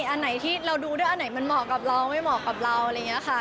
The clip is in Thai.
อันไหนที่เราดูด้วยอันไหนมันเหมาะกับเราไม่เหมาะกับเราอะไรอย่างนี้ค่ะ